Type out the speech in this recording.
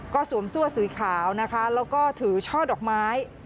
ก็สวมซั่วสุดขาวแล้วก็ถือช่อดอกไม้